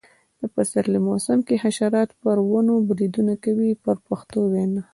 د پسرلي په موسم کې حشرات پر ونو بریدونه کوي په پښتو وینا.